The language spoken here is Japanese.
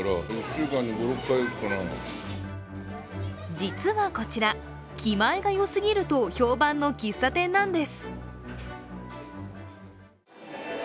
実はこちら、気前がよすぎると評判の喫茶店なんです。